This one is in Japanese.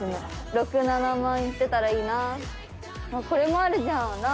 これもあるじゃん。